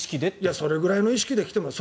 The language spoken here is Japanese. それくらいの意識で来てもらう。